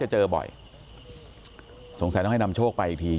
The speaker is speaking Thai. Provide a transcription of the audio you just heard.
เจอบ่อยสงสัยต้องให้นำโชคไปอีกที